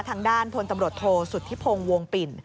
ทางด้านพลตำรวจโทษสุธิพงศ์วงปิ่น